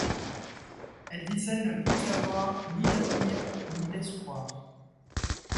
Elle disait ne plus avoir ni d'avenir, ni d'espoir.